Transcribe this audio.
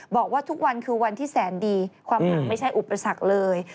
บอกว่าทุกวันคือวันที่แสนดีความหักไม่ใช่อุปสรรคเลย